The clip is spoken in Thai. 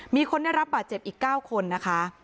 มีคนได้รับบาดเจ็บอีก๙คนนะคะ